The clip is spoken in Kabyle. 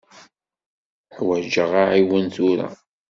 Ḥwaǧeɣ aɛiwen tura.